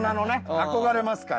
憧れますから。